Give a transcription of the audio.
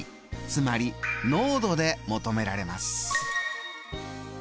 つまり濃度で求められます。